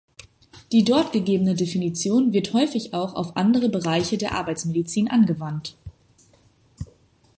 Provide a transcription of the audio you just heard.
Die dort gegebene Definition wird häufig auch auf andere Bereiche der Arbeitsmedizin angewandt.